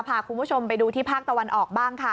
พาคุณผู้ชมไปดูที่ภาคตะวันออกบ้างค่ะ